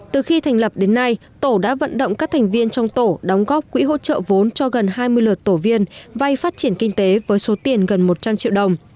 từ khi thành lập đến nay tổ đã vận động các thành viên trong tổ đóng góp quỹ hỗ trợ vốn cho gần hai mươi lượt tổ viên vay phát triển kinh tế với số tiền gần một trăm linh triệu đồng